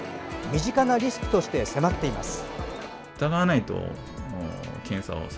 身近なリスクとして迫っています。